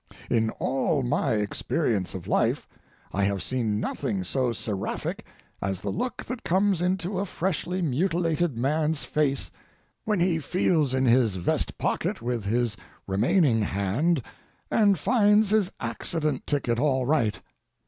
In all my experience of life, I have seen nothing so seraphic as the look that comes into a freshly mutilated man's face when he feels in his vest pocket with his remaining hand and finds his accident ticket all right.